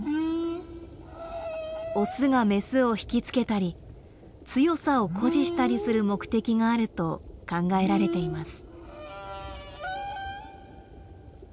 オスがメスをひきつけたり強さを誇示したりする目的があると考えられています。